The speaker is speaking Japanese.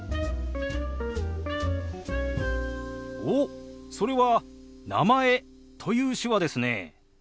おっそれは「名前」という手話ですね。